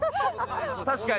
確かに。